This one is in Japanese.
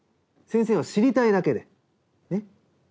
先生は知りたいだけで。ね？